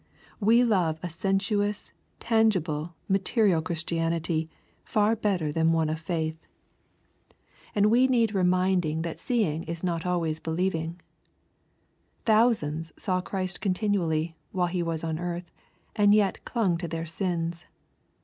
We love a sensuous, tangible, material Cliristianity, far better than one of faith. And 82 EXPOSITORY THOUGHTS. we need reminding that seeing is not always believing Thousands saw Christ continually, while He was on earth, and yet clung to their sins.